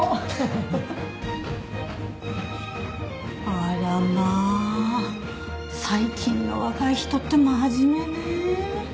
あらまあ最近の若い人って真面目ね。